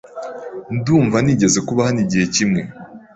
Ndumva nigeze kuba hano igihe kimwe.